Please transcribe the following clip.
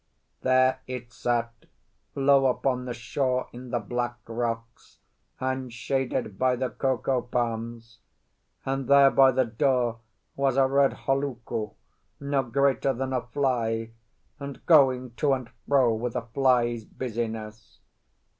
There it sat, low upon the shore in the black rocks, and shaded by the cocoa palms, and there by the door was a red holoku, no greater than a fly, and going to and fro with a fly's busyness.